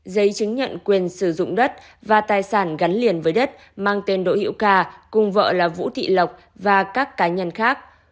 giấy chứng nhận quyền sử dụng đất và tài sản gắn liền với đất mang tên đỗ hiễu cà cùng vợ là vũ thị lộc và các cá nhân khác